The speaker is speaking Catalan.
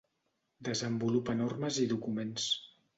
Desenvolupa normes i documents.